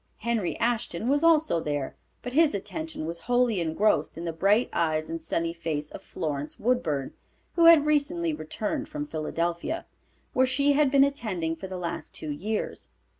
Henry Ashton was also there, but his attention was wholly engrossed in the bright eyes and sunny face of Florence Woodburn, who had recently returned from Philadelphia, where she had been attending for the last two years.